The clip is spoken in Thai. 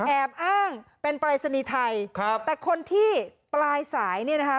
แอบอ้างเป็นปรายศนีย์ไทยครับแต่คนที่ปลายสายเนี่ยนะคะ